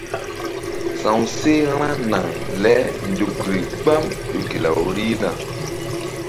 Sa̧wseh vba naŋ le nzukri gbam ƴo ke law rihna.